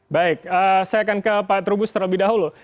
baik saya akan ke pak trubus terlebih dahulu